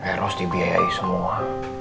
heros dibiayai semua